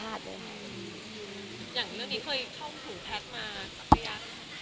อย่างเรื่องนี้เคยเข้าหูแพทย์มาสักระยะ